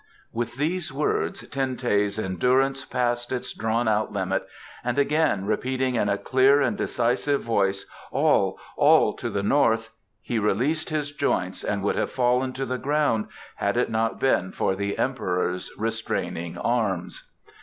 '" With these words Ten teh's endurance passed its drawn out limit and again repeating in a clear and decisive voice, "All, all to the north!" he released his joints and would have fallen to the ground had it not been for the Emperor's restraining arms.